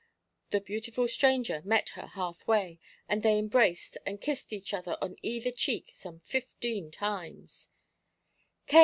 The beautiful stranger met her half way, and they embraced and kissed each other on either cheek some fifteen times.